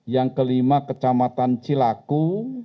yang kelima kecamatan cilaku